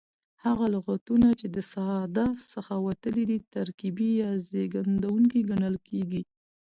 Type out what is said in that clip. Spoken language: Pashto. هغه لغتونه، چي د ساده څخه وتلي دي ترکیبي یا زېږېدونکي کڼل کیږي.